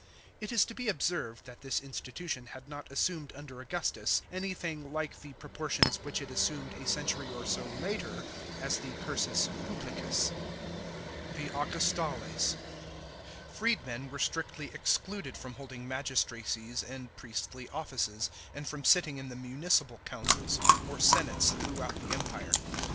It is to be observed that this institution had not assumed under Augustus anything like the proportions which it assumed a century oi so later, as the curs <s publicus. § 6. The Augustales. — Freedmen were strictly excluded from holding magistracies and priestly offices, and from sitting in the municipal councils, or senates throughout the Empire.